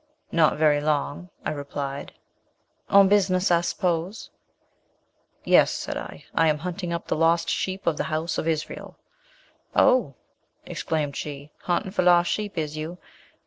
'Not very long,' I replied. 'On business, I s'pose.' 'Yes,' said I, 'I am hunting up the lost sheep of the house of Israel.' 'Oh,' exclaimed she, 'hunting for lost sheep is you?